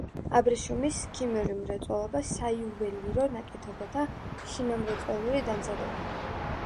აბრეშუმის, ქიმიური მრეწველობა, საიუველირო ნაკეთობათა შინამრეწველური დამზადება.